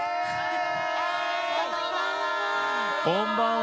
こんばんは。